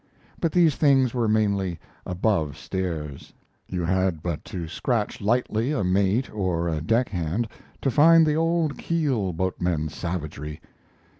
But these things were mainly "above stairs." You had but to scratch lightly a mate or a deck hand to find the old keel boatman savagery.